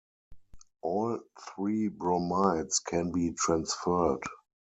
All three bromides can be transferred.